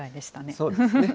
そうですね。